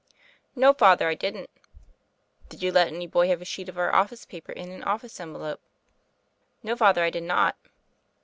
"No, Father; I did not." "Did you let any boy have a sheet of our office paper and an office envelope?" "No, Father; I did not."